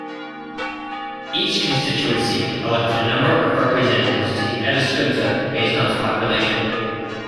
Each constituency elected a number of representatives to the Eduskunta based on its population.